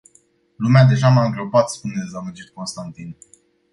Lumea deja m-a îngropat, spune dezamăgit Constantin.